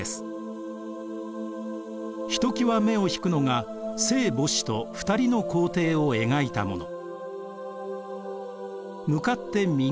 ひときわ目を引くのが聖母子と２人の皇帝を描いたもの。